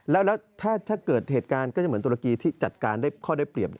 แล้วถ้าเกิดเหตุการณ์ก็จะเหมือนตุรกีที่จัดการได้ข้อได้เปรียบ